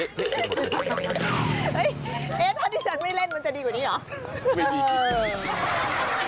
เอ๊ะถ้าที่ฉันไม่เล่นมันจะดีกว่านี้เหรอ